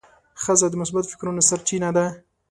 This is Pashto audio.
ښځه د مثبت فکرونو سرچینه ده.